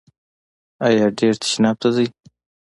ایا ډیر تشناب ته ځئ؟